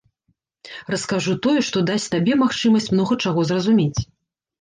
Раскажу тое, што дасць табе магчымасць многа чаго зразумець.